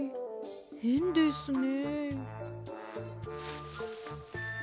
へんですねえ。